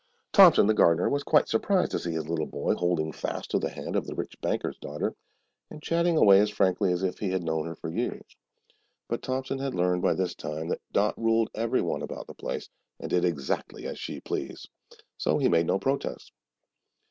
Thompson, the gardener, was quite surprised to see his little boy holding fast to the hand of the rich banker's daughter, and chatting away as frankly as if he had known her for years; but Thompson had learned by this time that Dot ruled everyone about the place and did exactly as she pleased, so he made no protest.